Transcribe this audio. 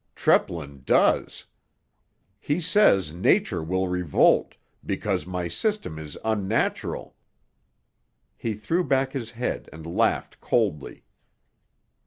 Treplin does. He says Nature will revolt, because my system is unnatural." He threw back his head and laughed coldly.